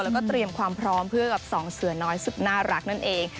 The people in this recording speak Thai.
แล้วก็เตรียมความพร้อมเพื่อกับสองเสือน้อยสุดน่ารักนั่นเอง